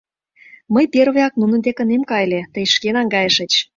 — Мый первыяк нунын дек ынем кай ыле, тый шке наҥгайышыч.